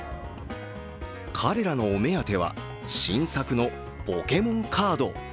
彼らのお目当ては、新作のポケモンカード。